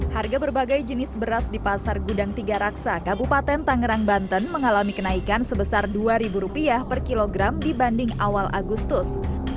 harga berbagai jenis beras di pasar gudang tiga raksa kabupaten tangerang banten mengalami kenaikan sebesar rp dua per kilogram dibanding awal agustus